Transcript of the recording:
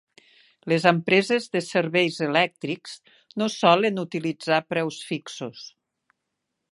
Les empreses de serveis elèctrics no solen utilitzar preus fixos.